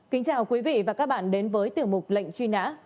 kính chào quý vị và các bạn đến với tiểu mục lệnh truy nã